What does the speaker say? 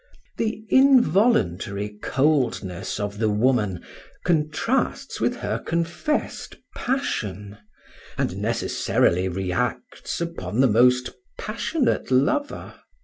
The involuntary coldness of the woman contrasts with her confessed passion, and necessarily reacts upon the most passionate lover.